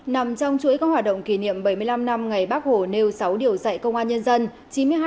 nằm trong chuỗi các hoạt động kỷ niệm bảy mươi năm năm ngày bác hồ nêu sáu điều dạy công an nhân dân